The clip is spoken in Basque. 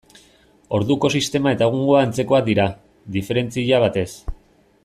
Orduko sistema eta egungoa antzekoak dira, diferentzia batez.